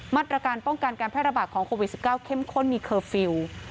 มาตรการป้องกันการแพร่ระบาดของโควิด๑๙เข้มข้นมีเคอร์ฟิลล์